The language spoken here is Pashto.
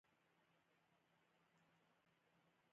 ښه ادب، غوره ملګری دی.